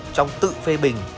trong tự phê bình